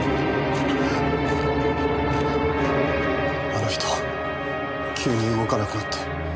あの人急に動かなくなって。